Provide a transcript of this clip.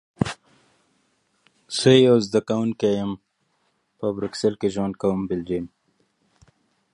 ایا تاسو د نوي کال لپاره اهداف لرئ؟